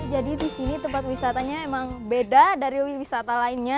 jadi disini tempat wisatanya emang beda dari wisata lainnya